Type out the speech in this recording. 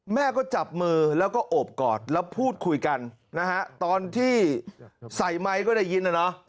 แม่ก็จับมือแล้วก็โอบกอดแล้วพูดคุยกันนะฮะตอนที่ใส่ไมค์ก็ได้ยินนะเนอะ